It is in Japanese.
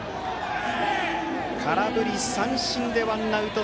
空振り三振でワンアウト。